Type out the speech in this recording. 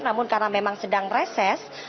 namun karena memang sedang reses